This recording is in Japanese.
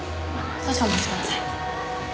少々お待ちください。